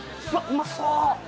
うまそう。